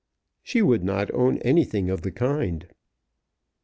She would not own anything of the kind.